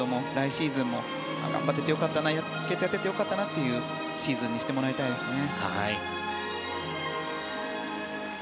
シーズンも頑張っていてよかったなスケートやっていてよかったなというシーズンにしてもらいたいですね。